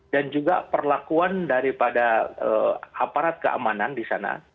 dan juga perlakuan daripada aparat keamanan di sana